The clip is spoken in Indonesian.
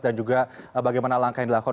dan juga bagaimana langkah yang dilakukan